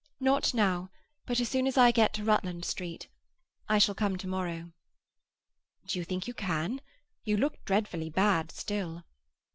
Not now, but as soon as I get to Rutland Street. I shall come to morrow." "Do you think you can? You look dreadfully bad still."